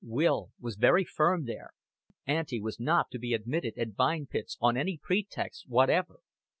Will was very firm there: Auntie was not to be admitted at Vine Pits on any pretext whatever.